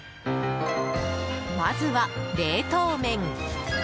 まずは冷凍麺。